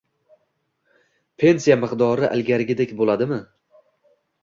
pensiya miqdori ilgarigidek bo‘ladimi?